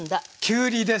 きゅうりです！